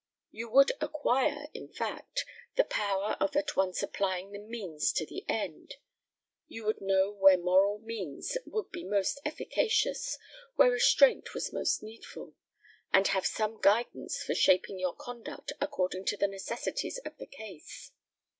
You would acquire, in fact, the power of at once applying the means to the end; you would know where moral means would be most efficacious, where restraint was most needful, and have some guidance for shaping your conduct according to the necessities of the case.